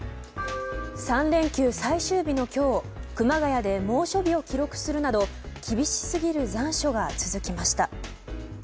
３連休最終日の今日熊谷で猛暑日を記録するなど厳しすぎる残暑が続きました。